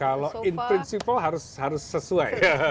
kalau in prinsipal harus sesuai